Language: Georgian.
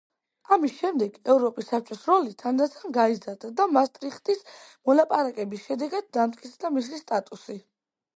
ამის შემდეგ, ევროპის საბჭოს როლი თანდათან გაიზარდა და მაასტრიხტის მოლაპარაკების შედეგად დამტკიცდა მისი სტატუსი.